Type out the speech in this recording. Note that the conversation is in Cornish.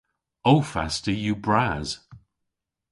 Ow fasti yw bras.